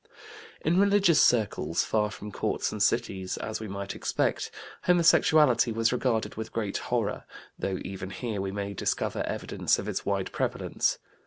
In religious circles far from courts and cities, as we might expect, homosexuality was regarded with great horror, though even here we may discover evidence of its wide prevalence.